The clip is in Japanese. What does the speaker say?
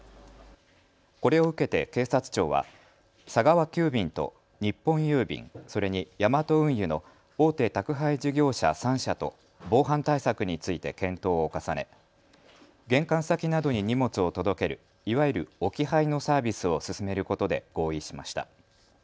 これを受けて警察庁は佐川急便と日本郵便、それにヤマト運輸の大手宅配事業者３社と防犯対策について検討を重ね玄関先などに荷物を届けるいわゆる置き配のサービスを進めることで合意しました。